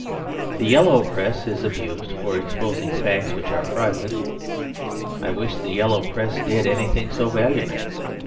The Yellow Press is abused for exposing facts which are private; I wish the Yellow Press did anything so valuable.